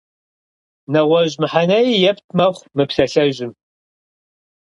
НэгъуэщӀ мыхьэнэи епт мэхъу мы псалъэжьым.